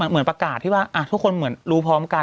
เหมือนประกาศที่ว่าทุกคนเหมือนรู้พร้อมกัน